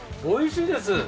おいしいです。